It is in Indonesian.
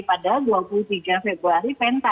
padahal dua puluh tiga februari penta